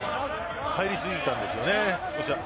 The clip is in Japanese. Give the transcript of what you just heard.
少し入りすぎたんですね。